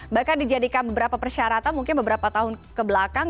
bahkan dijadikan beberapa persyaratan mungkin beberapa tahun kebelakang